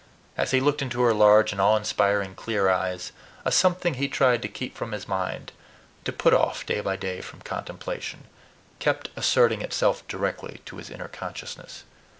As he looked into her large and awe inspiring clear eyes, a something he tried to keep from his mind to put off day by day from contemplation kept asserting itself directly to his inner consciousness.